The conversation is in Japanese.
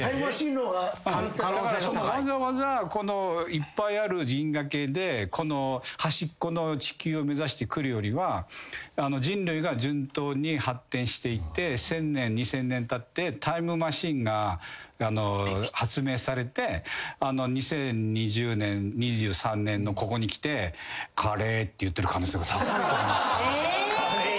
わざわざこのいっぱいある銀河系でこの端っこの地球を目指して来るよりは人類が順当に発展していって１，０００年２，０００年たってタイムマシンが発明されて２０２０年２０２３年のここに来て「カレー」って言ってる可能性は高いと。